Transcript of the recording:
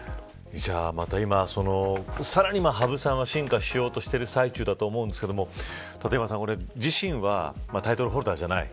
じゃあ、また今、更に羽生さんは進化しようとしている最中だと思うんですけど立岩さん、自身はタイトルホルダーじゃない。